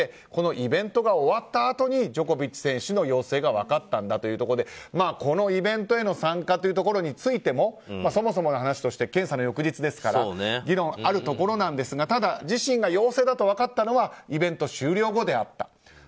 このイベントが終わったあとにジョコビッチ選手の陽性が分かったんだということでこのイベントへの参加についてもそもそもの話として検査の翌日ですから議論あるところなんですがただ、自身が陽性だと分かったのはイベント終了後であった。